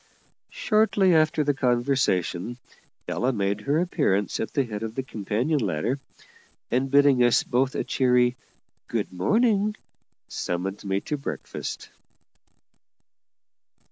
Shortly after the conversation Ella made her appearance at the head of the companion ladder, and, bidding us both a cheery "Good morning," summoned me to breakfast.